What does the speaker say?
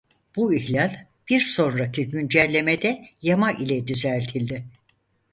Bu ihlal bir sonraki güncellemede yama ile düzeltildi.